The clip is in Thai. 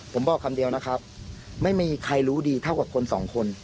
ผมบอกคำเดียวนะครับไม่มีใครรู้ดีเท่ากับคนสองคน